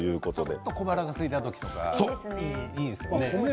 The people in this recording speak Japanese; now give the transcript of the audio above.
ちょっと小腹がすいた時にいいですね。